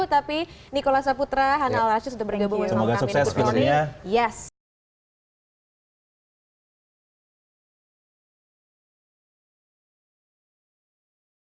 tapi nikola saputra hanna alrasyid sudah bergabung dengan kami